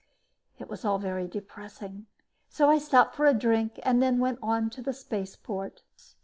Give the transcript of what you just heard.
It was all very depressing, so I stopped for a drink, then went on to the spaceport.